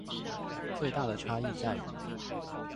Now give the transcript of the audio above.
最大的差異在於